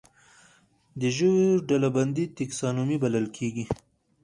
د ژویو ډلبندي ټکسانومي بلل کیږي